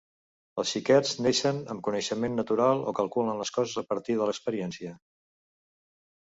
Els xiquets naixen amb coneixement natural o calculen les coses a partir de l'experiència?